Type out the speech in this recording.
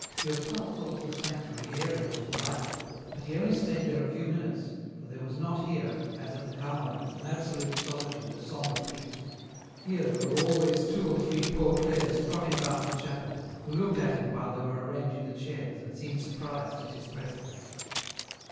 Durtal thought the sanctuary airy and delightful, but he only stayed there a few minutes, for there was not here, as at the Carmelites, an absolute solitude, a sombre peace ; here there were always two or three Poor Clares trotting about the chapel, who looked at him while they were arranging the chairs, and seemed surprised at his presence.